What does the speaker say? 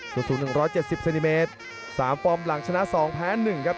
สู้สู้หนึ่งร้อยเจ็ดสิบเซนติเมตรสามฟอร์มหลังชนะสองแพ้หนึ่งครับ